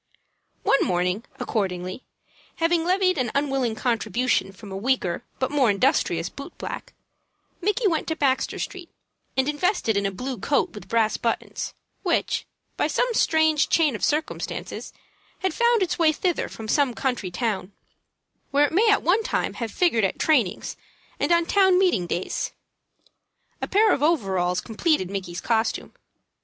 One morning, accordingly, having levied an unwilling contribution from a weaker but more industrious boot black, Micky went to Baxter Street, and invested it in a blue coat with brass buttons, which, by some strange chain of circumstances, had found its way thither from some country town, where it may at one time have figured at trainings and on town meeting days. A pair of overalls completed Micky's costume.